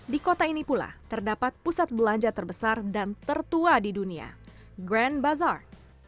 di kota ini pula terdapat pusat belanja terbesar dan tertua di dunia grand bazar